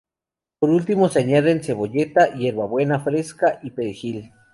Por último se añaden cebolleta, hierbabuena fresca y perejil.